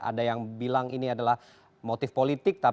ada yang bilang ini adalah motif politik